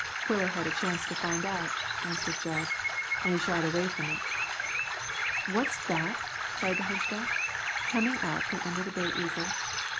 "Quiller had a chance to find out," answered Jud, "an' he shied away from it." "What's that?" cried the hunchback, coming out from under the Bay Eagle.